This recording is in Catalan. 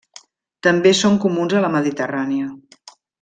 També són comuns a la Mediterrània.